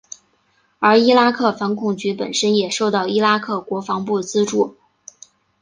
而伊拉克反恐局本身也受到伊拉克国防部资助。